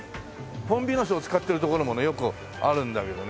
ホンビノスを使ってるところもねよくあるんだけどね。